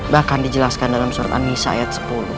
bahkan dijelaskan dalam surat anisayat sepuluh